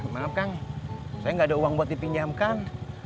maaf kang saya nggak ada uang buat dipinjam kang